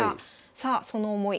さあその思い